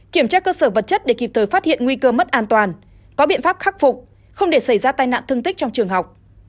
kiểm tra cơ sở vật chất để kịp thời phát hiện nguy cơ mất an toàn có biện pháp khắc phục không để xảy ra tai nạn thương tích trong trường học